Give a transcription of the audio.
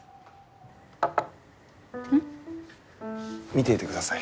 見ていてください。